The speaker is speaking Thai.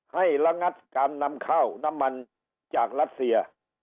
ระงัดการนำเข้าน้ำมันจากรัสเซีย